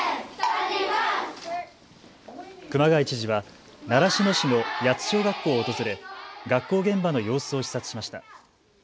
熊谷知事は習志野市の谷津小学校を訪れ学校現場の様子を視察しました。